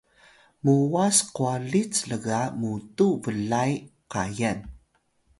m’uwas kwalit lga mutuw blay kayan